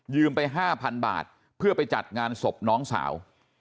ไป๕๐๐๐บาทเพื่อไปจัดงานศพน้องสาว